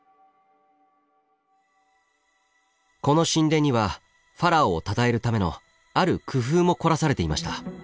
この神殿にはファラオをたたえるためのある工夫も凝らされていました。